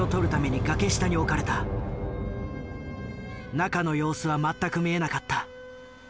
中の様子は全く見えなかった。